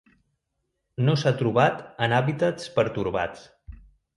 No s'ha trobat en hàbitats pertorbats.